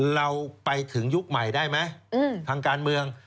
เราไปถึงยุคใหม่ได้ไหมทางการเมือง